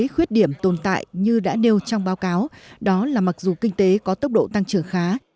khuyết điểm tồn tại như đã nêu trong báo cáo đó là mặc dù kinh tế có tốc độ tăng trưởng khá